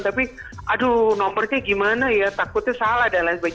tapi aduh nomornya gimana ya takutnya salah dan lain sebagainya